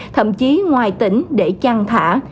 thậm chí ngoài tỉnh để chăn thả